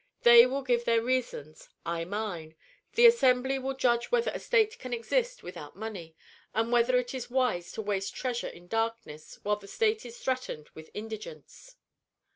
"They will give their reasons, I mine; the assembly will judge whether a state can exist without money, and whether it is wise to waste treasure in darkness while the state is threatened with indigence."